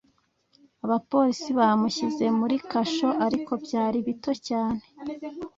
abapolisi bamushyize muri kasho, ariko byari bito cyane,